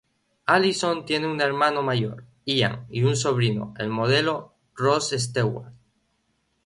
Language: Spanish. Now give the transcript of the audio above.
Alison tiene un hermano mayor, Ian y un sobrino, el modelo, Ross Stewart.